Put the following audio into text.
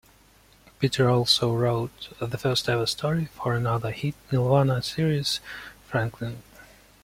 Peter also wrote the first ever story for another hit Nelvana series, "Franklin".